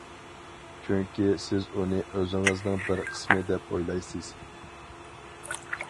چۈنكى سىز ئۇنى ئۆزىڭىزنىڭ بىر قىسمى دەپ ئويلايسىز.